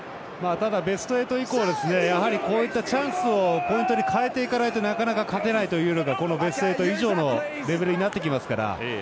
ただ、ベスト８以降やはりこういったチャンスをポイントに変えていかないとなかなか勝てないという中ベスト８以上のレベルになってきますから。